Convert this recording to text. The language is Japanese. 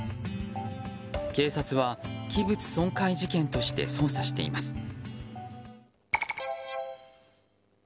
警察は器物損壊事件として捜査しています。